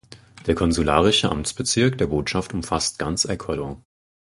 Der konsularische Amtsbezirk der Botschaft umfasst ganz Ecuador.